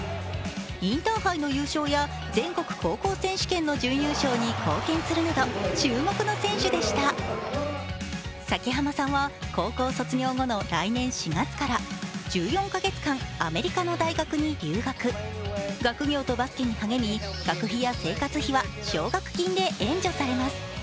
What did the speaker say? インターハイの優勝や全国高校選手権の準優勝に貢献するなど崎濱さんは高校卒業後の来年４月から１４か月間、アメリカの大学に留学、学業とバスケに励み、学費や生活費は奨学金で援助されます。